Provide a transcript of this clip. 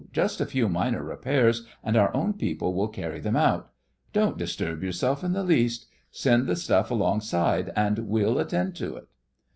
Just a few minor repairs, and our own people will carry them out. Don't disturb yourself in the least. Send the stuff alongside and we'll attend to it.